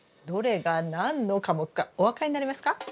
どれが何の科目かお分かりになりますか？